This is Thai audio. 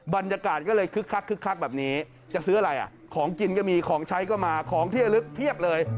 บรรยากาศก็เลยคึกคักคึกคักแบบนี้จะซื้ออะไรอ่ะของกินก็มีของใช้ก็มาของที่ระลึกเพียบเลย